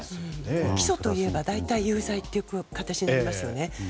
起訴といえば大体有罪という形になりますよね。